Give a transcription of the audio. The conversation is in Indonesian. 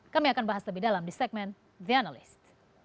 kami akan bahas lebih dalam di segmen the analyst